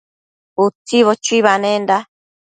Utsibo chuibanenda